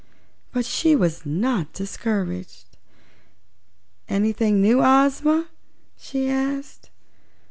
But she was not discouraged. "Anything new, Ozma?" she asked.